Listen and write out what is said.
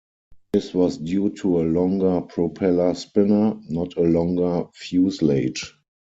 This was due to a longer propeller spinner, not a longer fuselage.